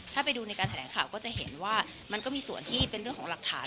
ถ้าไปดูในการแถลงข่าวก็จะเห็นว่ามันก็มีส่วนที่เป็นเรื่องของหลักฐาน